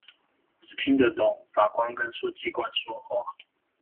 只聽得懂法官跟書記官說話